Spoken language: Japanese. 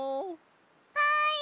はい！